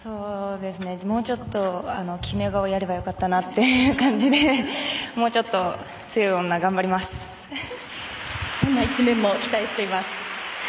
もうちょっと決め顔やればよかったなという感じでそんな一面も期待しています。